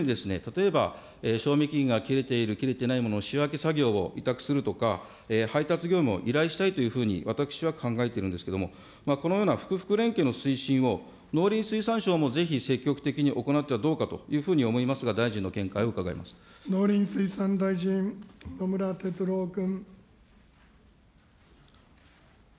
その就労支援事業所に、例えば、賞味期限が切れている、切れていないものを仕分け作業を委託するとか、配達業務を依頼したいというふうに私は考えているんですけれども、このような福福連携の水準を、農林水産省も積極的に行ってはどうかというふうに思いますが、大農林水産大臣、野村哲郎君。